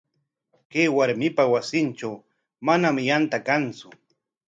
Kay warmipa wasintraw manam yantan kantsu.